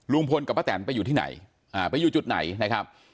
ลุงพลกับป้าแตนไปอยู่ที่ไหนไปอยู่จุดไหนนะครับ